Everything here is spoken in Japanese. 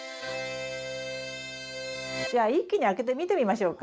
じゃあ一気にあけて見てみましょうか？